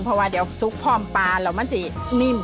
เพราะว่าเดี๋ยวซุปพร้อมปลาแล้วมันจะนิ่ม